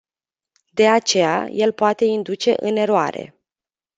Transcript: De aceea, el poate induce în eroare.